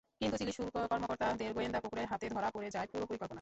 কিন্তু চিলির শুল্ক কর্মকর্তাদের গোয়েন্দা কুকুরের হাতে ধরা পড়ে যায় পুরো পরিকল্পনা।